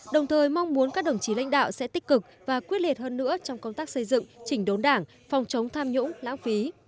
đồng thời mong muốn các đồng chí lãnh đạo sẽ tích cực và quyết liệt hơn nữa trong công tác xây dựng chỉnh đốn đảng phòng chống tham nhũng lãng phí